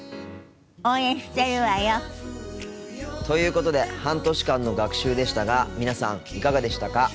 応援してるわよ。ということで半年間の学習でしたが皆さんいかがでしたか？